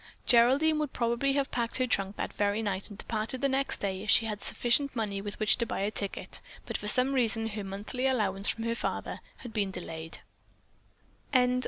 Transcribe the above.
Geraldine would probably have packed her trunk that very night and departed the next day if she had had sufficient money with which to buy a ticket, but for some reason her monthly allowance from her father had been delayed.